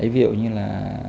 ví dụ như là